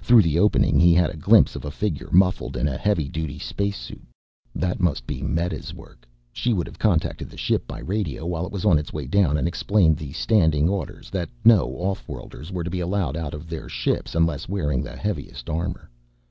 Through the opening he had a glimpse of a figure muffled in a heavy duty spacesuit. That must be Meta's work, she would have contacted the ship by radio while it was on its way down and explained the standing orders that no off worlders were to be allowed out of their ships unless wearing the heaviest armor.